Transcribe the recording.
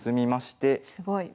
すごい。